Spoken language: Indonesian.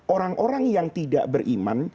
orang orang yang tidak beriman